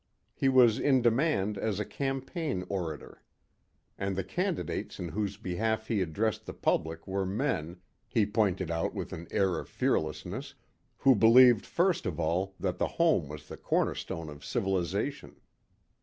He was in demand as a campaign orator. And the candidates in whose behalf he addressed the public were men, he pointed out with an air of fearlessness, who believed first of all that the home was the cornerstone of civilization.